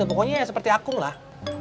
pokoknya ya seperti akung lah